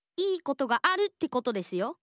いいことがあるってことですよ。